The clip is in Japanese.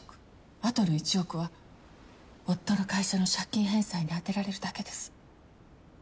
あとの１億は夫の会社の借金返済に充てられるだけです。